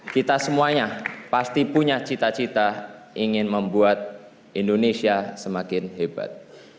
kita semuanya pasti punya cita cita ingin membuat indonesia semakin hebat